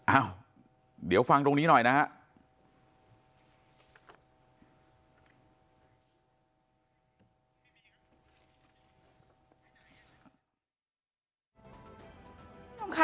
อ้าวเดี๋ยวฟังตรงนี้หน่อยนะครับ